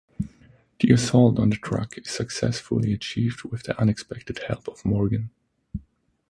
The assault on the truck is successfully achieved with the unexpected help of Morgan.